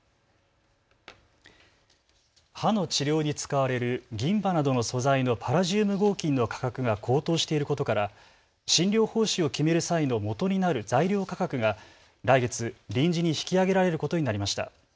歯の治療に使われる銀歯などの素材のパラジウム合金の価格が高騰していることから診療報酬を決める際のもとになる材料価格が来月、臨時に引き上げられることになりました。